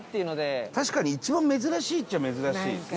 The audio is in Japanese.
伊達：確かに、一番珍しいっちゃ珍しいですね。